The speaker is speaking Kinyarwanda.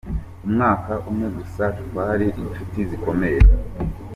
Umwaka umwe gusa twari inshuti zikomeye.